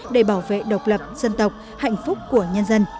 để bảo vệ độc lập dân tộc hạnh phúc của nhân dân